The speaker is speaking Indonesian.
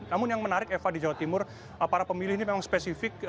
namun yang menarik eva di jawa timur para pemilih ini memang spesifik